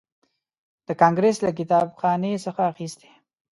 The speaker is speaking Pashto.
د کانګریس له کتابخانې څخه اخیستی.